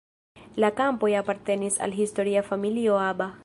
La kampoj apartenis al historia familio Aba.